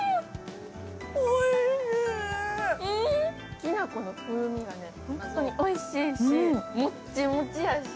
きな粉の風味が本当においしいしモチモチやし。